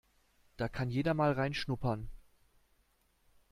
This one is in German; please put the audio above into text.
Da kann jeder mal reinschnuppern.